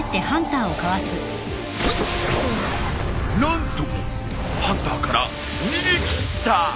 なんとハンターから逃げ切った！